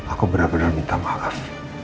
aku benar benar minta maaf